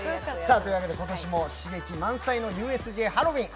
今年も刺激満載のＵＳＪハロウィーン。